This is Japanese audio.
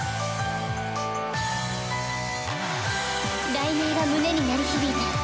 「雷鳴が胸に鳴り響いて」